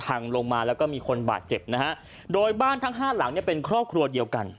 พังลงมาแล้วก็มีคนบาดเจ็บนะฮะโดยบ้านทั้งห้าหลังเนี่ยเป็นครอบครัวเดียวกัน